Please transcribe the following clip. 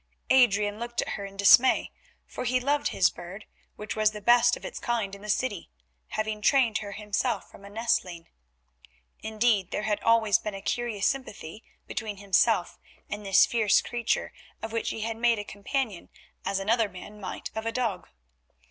Adrian looked at her in dismay, for he loved this bird, which was the best of its kind in the city, having trained her himself from a nestling. Indeed there had always been a curious sympathy between himself and this fierce creature of which he made a companion as another man might of a dog.